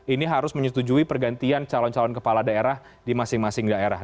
ini harus menyetujui pergantian calon calon kepala daerah di masing masing daerah